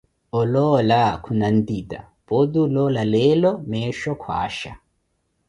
oloola khuna ntita, pooti oloola leelo meecho kwaasha.